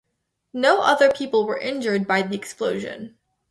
No other people were injured by the explosion.